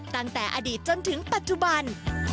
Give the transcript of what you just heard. ตั้งแต่อดีตจนถึงปัจจุบัน